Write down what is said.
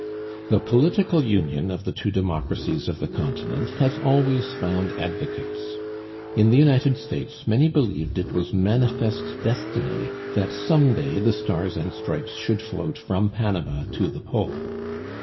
The political union of the two democracies of the continent has always found advocates. In the United States many believed it was 'manifest destiny' that some day the Stars and Stripes should float from Panama to the Pole.